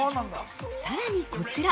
◆さらに、こちら！